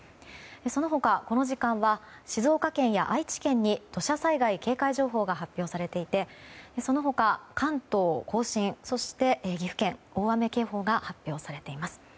その他、静岡県や愛知県にも土砂災害警戒情報が発表されていて、その他関東・甲信、そして岐阜県には大雨警報が発表されています。